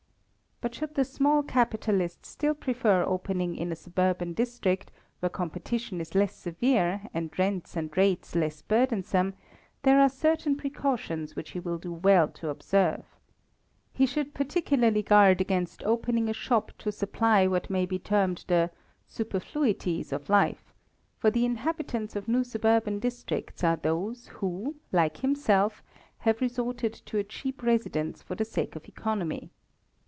But should the small capitalist still prefer opening in a suburban district, where competition is less severe, and rents and rates less burdensome, there are certain precautions which he will do well to observe. He should particularly guard against opening a shop to supply what may be termed the superfluities of life; for the inhabitants of new suburban districts are those who, like himself, have resorted to a cheap residence for the sake of economy.